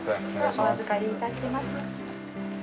お預かりいたします。